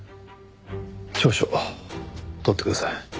調書取ってください。